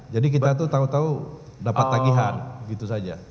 jadi kita tuh tahu tahu dapat tagihan begitu saja